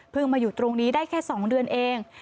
มาอยู่ตรงนี้ได้แค่๒เดือนเอง